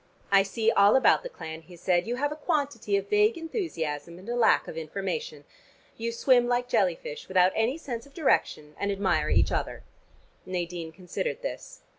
"I see all about the clan," he said. "You have a quantity of vague enthusiasm, and a lack of information. You swim like jelly fish without any sense of direction, and admire each other." Nadine considered this.